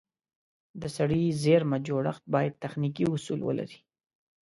د سړې زېرمه جوړښت باید تخنیکي اصول ولري.